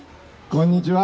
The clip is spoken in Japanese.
こんにちは。